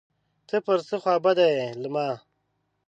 ته پر څه خوابدی یې له ما